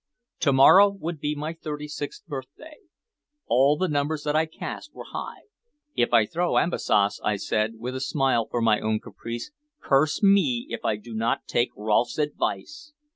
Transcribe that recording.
To morrow would be my thirty sixth birthday. All the numbers that I cast were high. "If I throw ambs ace," I said, with a smile for my own caprice, "curse me if I do not take Rolfe's advice!"